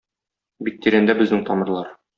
Бик тирәндә безнең тамырлар.